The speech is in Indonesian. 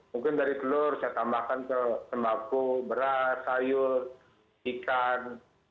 mungkin dari telur saya tambahkan ke sembako beras sayur ikan